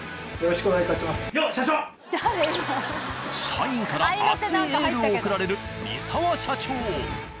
社員から熱いエールを送られる見澤社長。